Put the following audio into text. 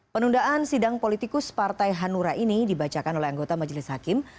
penundaan sidang politikus partai hanura ini dibacakan oleh anggota majelis hakim